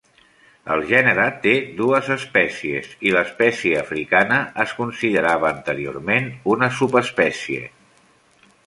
El gènere té dues espècies, i l'espècie africana es considerava anteriorment una subespècie.